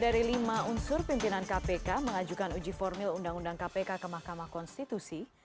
dari lima unsur pimpinan kpk mengajukan uji formil undang undang kpk ke mahkamah konstitusi